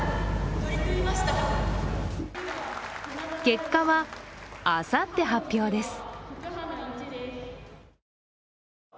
結果はあさって発表です。